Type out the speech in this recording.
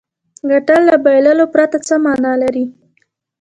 ګټل له بایللو پرته څه معنا لري.